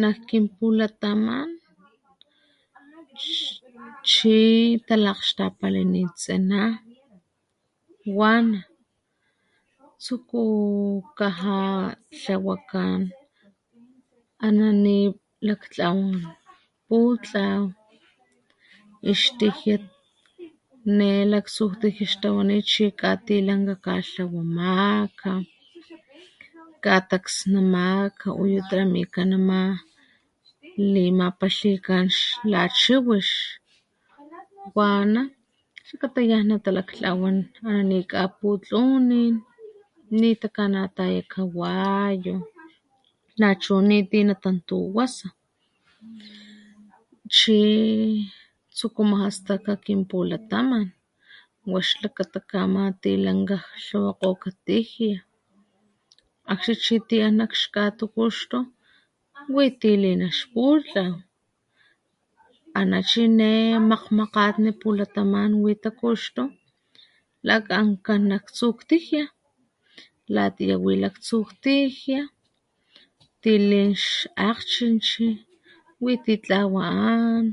Nak kinpulataman chi talagxtapalinit tsiná wana, tsukukajá tlawakan aná ni laktlawán putlaw, xtijia, ne lak tsu tijia xtawaniit chi katilnaga katlawamaka, katasnamaka uyu tramikan nama limakaxikan la chiwix, wana lakata yaj na ta laktlawan aná ni kaputlunin, ni takanatayá kawayo, nachu ni ti na tantuwasa, chi tsukumajá staka kin pulataman, wa xlakata kamatilanga tlawakoka tijia, akgxni ti an nak ix katukuxtu, wití lin ix putlaw, anachí ne makgmakgatni pulatamat wi takuxtu ltlan ankan ktsu ktijia, latayá wi lak tsu tijia, ti lin ákgchich, wi ti tlawaan,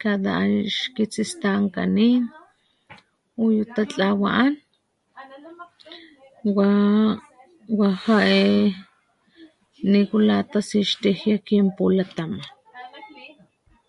ta an ix kitsistankanin, uyu tatlawa an, wa, wa jae nikula tasi ix tijia kin pulataman.